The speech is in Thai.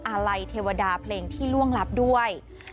อาไลทรวดาเพลงที่ร่วงลับด้วย